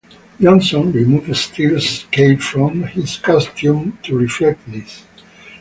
Johnson removed Steel's cape from his costume to reflect this.